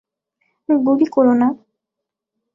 গুলি করো না!